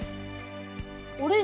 オレンジ。